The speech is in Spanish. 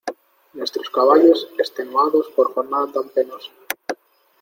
nuestros caballos, extenuados por jornada tan penosa